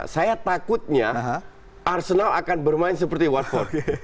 saya takutnya arsenal akan bermain seperti warko